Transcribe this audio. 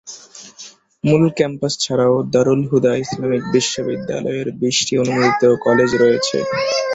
মূল ক্যাম্পাস ছাড়াও দারুল হুদা ইসলামিক বিশ্ববিদ্যালয়ের বিশটি অনুমোদিত কলেজ রয়েছে।